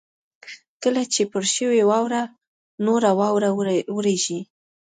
کله چې پر شوې واوره نوره واوره ورېږي